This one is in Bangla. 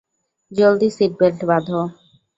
জলদি সিটবেল্ট বাঁধো।